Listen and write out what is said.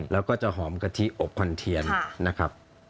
แล้วก็จะหอมกะทิอบควันเทียนนะครับ